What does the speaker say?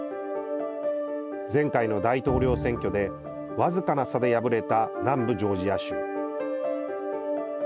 前回の大統領選挙で、僅かな差で敗れた南部ジョージア州。